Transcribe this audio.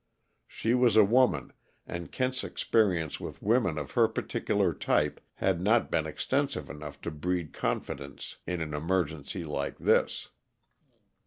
She was a woman, and Kent's experience with women of her particular type had not been extensive enough to breed confidence in an emergency like this.